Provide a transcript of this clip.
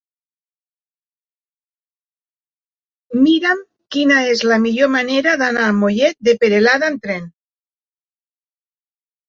Mira'm quina és la millor manera d'anar a Mollet de Peralada amb tren.